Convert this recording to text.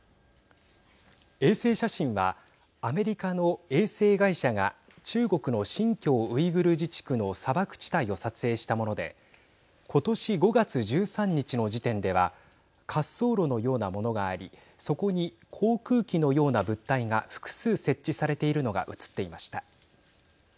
衛星写真はアメリカの衛星会社が中国の新疆ウイグル自治区の砂漠地帯を撮影したものでことし５月１３日の時点では滑走路のようなものがありそこに航空機のような物体が複数、設置されているのが写っていました。